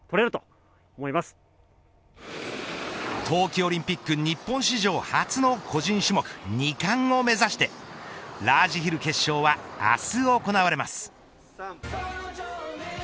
冬季オリンピック日本史上初の個人種目２冠を目指してラージヒル決勝は明日行われます。